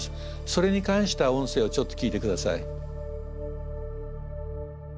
それに関した音声をちょっと聞いて下さい。